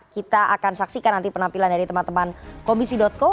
kita akan saksikan nanti penampilan dari teman teman komisi co